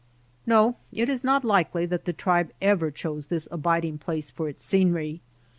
No ; it is not likely that the tribe ever chose this abiding place for its scenery.